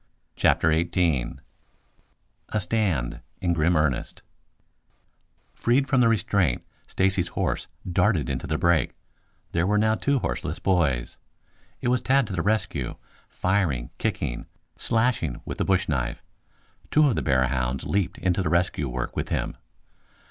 CHAPTER XVIII A STAND IN GRIM EARNEST Freed from restraint Stacy's horse darted into the brake. There were now two horseless boys. It was Tad to the rescue, firing, kicking, slashing with the bush knife. Two of the bear hounds leaped into the rescue work with him.